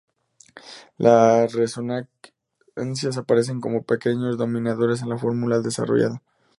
Las resonancias aparecen como pequeños denominadores en la fórmula desarrollada.